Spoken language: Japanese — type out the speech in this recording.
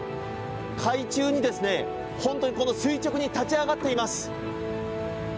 海中に本当に垂直に立ち上がっています。